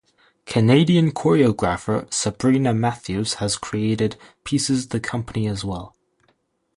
Canadian choreographer Sabrina Matthews has created pieces the company as well.